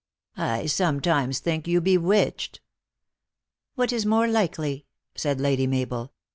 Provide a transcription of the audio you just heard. I sometimes think you be witched." "What is more likely?" said Lady Mabel.